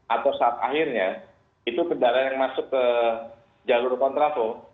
atau saat akhirnya itu kendaraan yang masuk ke jalur kontraflow